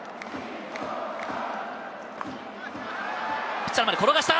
ピッチャーまで転がした。